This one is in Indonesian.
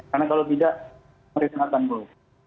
karena kalau tidak merenakan dulu